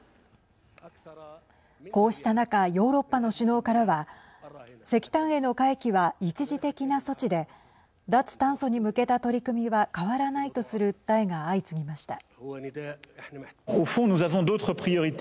こうした中、ヨーロッパの首脳からは石炭への回帰は一時的な措置で脱炭素に向けた取り組みは変わらないとする訴えが相次ぎました。